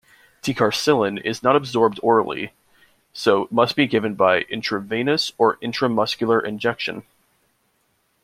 Ticarcillin is not absorbed orally, so must be given by intravenous or intramuscular injection.